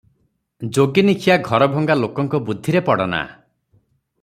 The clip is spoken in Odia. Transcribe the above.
ଯୋଗିନୀଖିଆ ଘରଭଙ୍ଗା ଲୋକଙ୍କ ବୁଦ୍ଧିରେ ପଡ଼ ନା ।